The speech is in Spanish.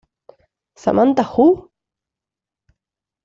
Samantha Who?